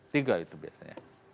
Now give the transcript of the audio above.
tiga itu biasanya